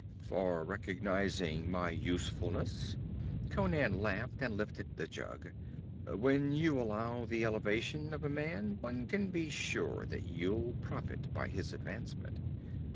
'For recognizing my usefulness?' Conan laughed and lifted the jug. 'When you allow the elevation of a man, one can be sure that you'll profit by his advancement.